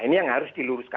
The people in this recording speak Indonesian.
ini yang harus diluruskan